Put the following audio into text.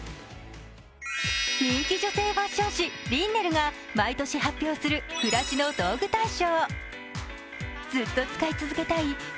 人気女性ファッション誌リンネルが毎年発表する暮らしの道具大賞。